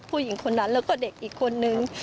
ผู้หญิงคนนั้นแล้วก็เด็กอีกคนนึง